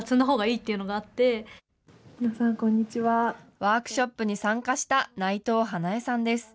ワークショップに参加した内藤花恵さんです。